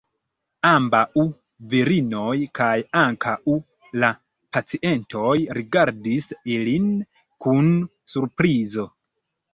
Ambau virinoj kaj ankau la pacientoj rigardis ilin kun surprizo.